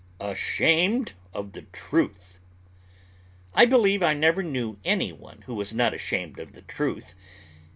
ASHAMED OF THE TRUTH I believe I never knew any one who was not ashamed of the truth.